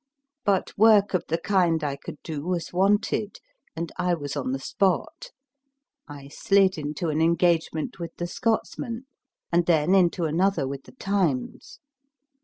But work of the kind I could do was wanted, and I was on the spot. I slid into an engagement with the Scotsman, and then into another DAVID CHRISTIE MURRAY 199 with the Times.